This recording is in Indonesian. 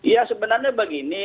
ya sebenarnya begini